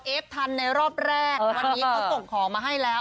เอฟทันในรอบแรกวันนี้เขาส่งของมาให้แล้ว